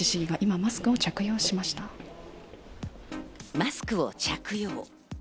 マスクを着用。